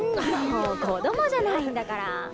も子どもじゃないんだから。